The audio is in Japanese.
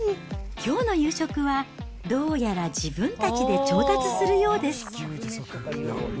きょうの夕食は、どうやら自分たちで調達するようです。